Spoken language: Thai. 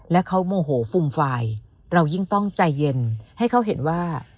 และเขาโมโหฟุ่มฟายเรายิ่งต้องใจเย็นให้เขาเห็นว่า